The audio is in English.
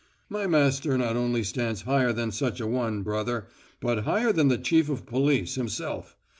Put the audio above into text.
My master not only stands higher than such a one, brother, but higher than the chief of police himself.